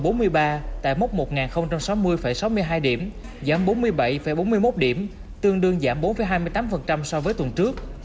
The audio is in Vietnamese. vn index đánh mất bốn mươi ba tại mốc một sáu mươi sáu mươi hai điểm giảm bốn mươi bảy bốn mươi một điểm tương đương giảm bốn hai mươi tám so với tuần trước